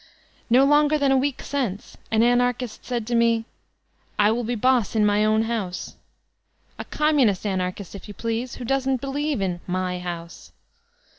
No longer than a week since an Anarchist (?) said to me, "I will be boss in my own house" — a "Communist Anarchist, if you please, who doesn't believe in "my house."